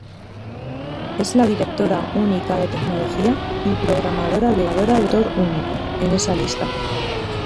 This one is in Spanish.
Es la directora única de tecnología, y programadora de motor único, en esa lista.